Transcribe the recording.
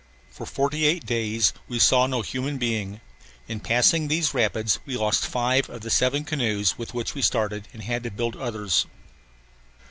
For forty eight days we saw no human being. In passing these rapids we lost five of the seven canoes with which we started and had to build others.